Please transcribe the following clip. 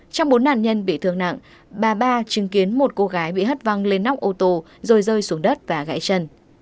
trong bốn nạn nhân bị thương nặng bà ba chứng kiến một cô gái bị hất văng lên nóc ô tô rồi rơi xuống đất và gãy chân